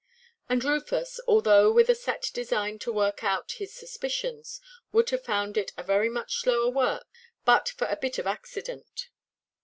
And Rufus, although with a set design to work out his suspicions, would have found it a very much slower work, but for a bit of accident.